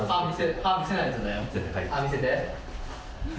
歯見せて。